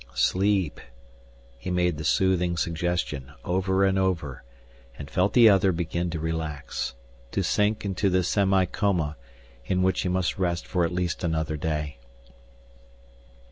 "Sleep " he made the soothing suggestion over and over and felt the other begin to relax, to sink into the semicoma in which he must rest for at least another day.